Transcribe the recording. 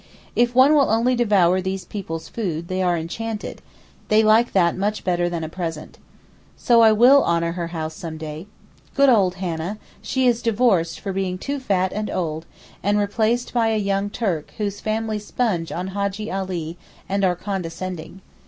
If one will only devour these people's food, they are enchanted; they like that much better than a present. So I will honour her house some day. Good old Hannah, she is divorced for being too fat and old, and replaced by a young Turk whose family sponge on Hajjee Ali and are condescending.